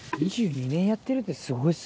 ２２年やってるってすごいですね。